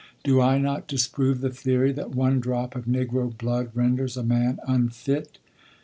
Do I not disprove the theory that one drop of Negro blood renders a man unfit?"